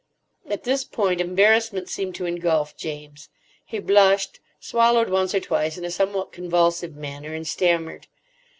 At this point embarrassment seemed to engulf James. He blushed, swallowed once or twice in a somewhat convulsive manner, and stammered.